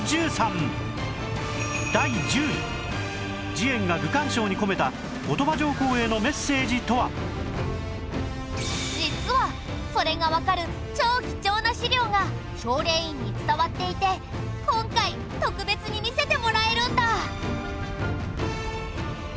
今年話題を集めた実はそれがわかる超貴重な史料が青蓮院に伝わっていて今回特別に見せてもらえるんだ。